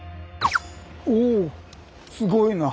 おおすごいな！